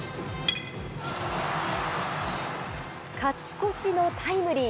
勝ち越しのタイムリー。